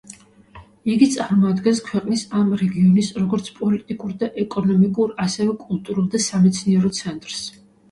იგი წარმოადგენს ქვეყნის ამ რეგიონის როგორც პოლიტიკურ და ეკონომიკურ ასევე კულტურულ და სამეცნიერო ცენტრს.